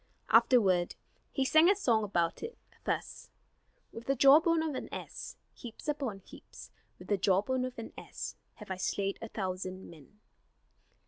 Afterward he sang a song about it, thus: "With the jawbone of an ass, heaps upon heaps, With the jawbone of an ass, have I slain a thousand men."